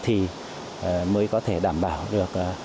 thì mới có thể đảm bảo được